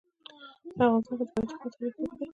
په افغانستان کې د پکتیکا تاریخ اوږد دی.